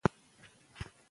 بریالی تعلیم تیارې ختموي.